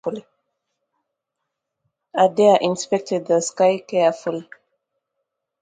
Adair inspected the sky carefully.